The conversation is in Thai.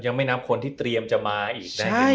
ยังไม่น้ำคนที่เตรียมจะมาอีก